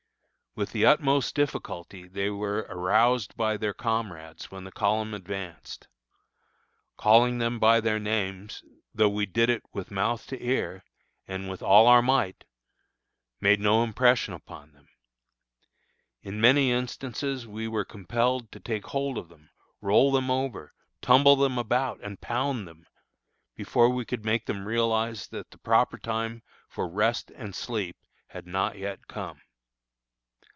With the utmost difficulty they were aroused by their comrades when the column advanced. Calling them by their names, though we did it with mouth to ear, and with all our might, made no impression upon them. In many instances we were compelled to take hold of them, roll them over, tumble them about, and pound them, before we could make them realize that the proper time for rest and sleep had not yet come.